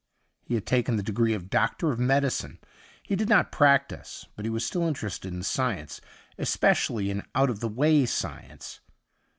He had taken the degree of Doctor of Medicine ; he did not practise, but he was still interested in science, especially in out of the way science.